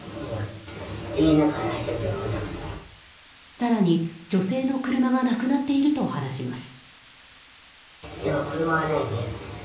更に、女性の車がなくなっていると話します。